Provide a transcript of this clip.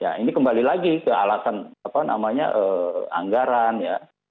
ya ini kembali lagi ke alasan apa namanya anggaran ya